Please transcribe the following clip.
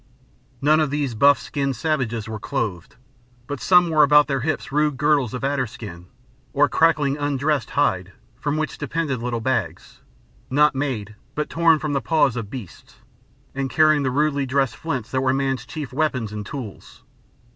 None of these buff skinned savages were clothed, but some wore about their hips rude girdles of adder skin or crackling undressed hide, from which depended little bags, not made, but torn from the paws of beasts, and carrying the rudely dressed flints that were men's chief weapons and tools.